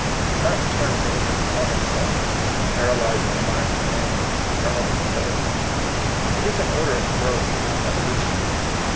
It does not return vainly upon itself, paralyzing the mind of man with its eternal futility. It is an order of growth or evolution.